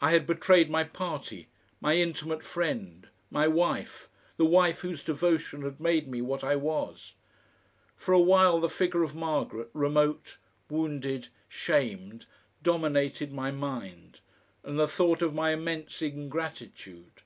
I had betrayed my party, my intimate friend, my wife, the wife whose devotion had made me what I was. For awhile the figure of Margaret, remote, wounded, shamed, dominated my mind, and the thought of my immense ingratitude.